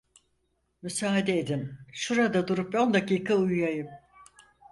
Müsaade edin, şurada durup on dakika uyuyayım…